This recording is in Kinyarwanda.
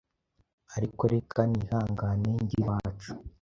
Ariko reka nihangane nge iwacu;